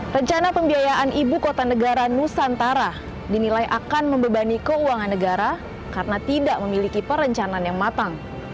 rencana pembiayaan ibu kota negara nusantara dinilai akan membebani keuangan negara karena tidak memiliki perencanaan yang matang